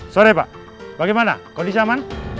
sore pak bagaimana kondisi aman